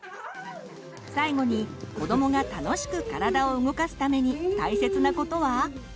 最後に子どもが楽しく体を動かすために大切なことは？